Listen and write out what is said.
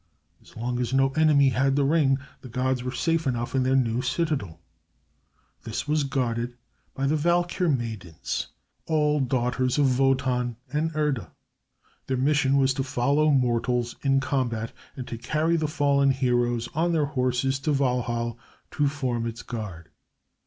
As long as no enemy had the ring, the gods were safe enough in their new citadel. This was guarded by the Valkyr Maidens, nine of them, all daughters of Wotan and Erda. Their mission was to follow mortals in combat and to carry the fallen heroes on their horses to Walhall to form its guard.